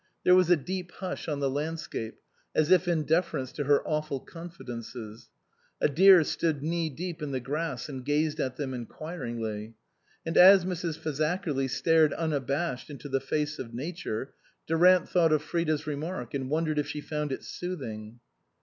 There was a deep hush on the landscape, as if in deference to her awful confidences. A deer stood knee deep in the grass and gazed at them inquiringly. And as Mrs. Fazakerly stared unabashed into the face of Nature, Durant thought of Frida's remark, and wondered if she found it " soothing."